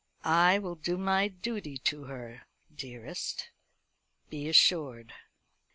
"I will do my duty to her, dearest, be assured."